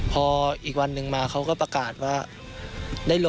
พออีกวันหนึ่งมาเขาก็ประกาศว่า